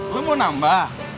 lu mau nambah